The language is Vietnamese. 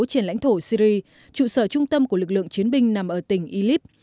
trên lãnh thổ syri trụ sở trung tâm của lực lượng chiến binh nằm ở tỉnh illib